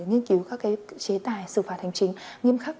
nghiên cứu các chế tài xử phạt hành chính nghiêm khắc